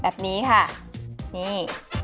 แบบนี้ค่ะนี่